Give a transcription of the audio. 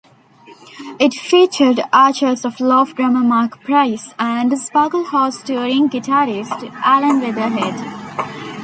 It featured Archers of Loaf drummer Mark Price and Sparklehorse touring guitarist Alan Weatherhead.